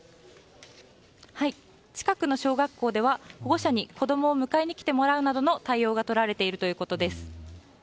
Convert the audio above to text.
近くの小学校では保護者に子供を迎えに来てもらうなどの対応がとられているということです。